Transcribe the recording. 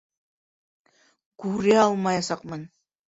Күрә алмаясаҡмын!